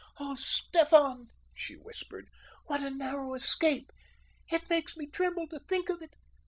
"Oh, Stefan," she whispered, "what a narrow escape! It makes me tremble to think of it.